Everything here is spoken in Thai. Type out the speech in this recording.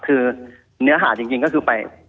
คือเนื้อหาจริงก็คือไป